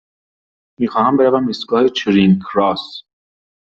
می خواهم بروم ایستگاه چرینگ کراس.